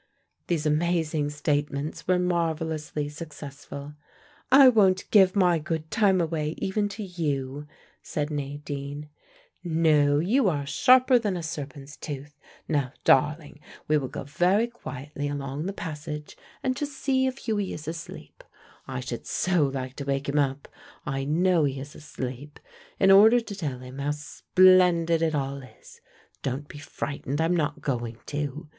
These amazing statements were marvelously successful. "I won't give my good time away even to you," said Nadine. "No, you are sharper than a serpent's tooth. Now, darling, we will go very quietly along the passage, and just see if Hughie is asleep. I should so like to wake him up I know he is asleep in order to tell him how splendid it all is. Don't be frightened: I'm not going to.